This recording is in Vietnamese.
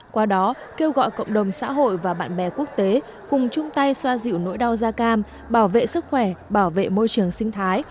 qua đó kêu gọi cộng đồng xã hội và bạn bè quốc tế cùng chung tay xoa dịu nỗi đau da cam bảo vệ sức khỏe bảo vệ môi trường sinh thái